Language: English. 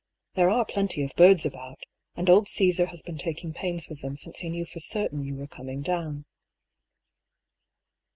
There are plenty of birds about; and old Caesar has been taking pains with them since he knew for certain you were coming down."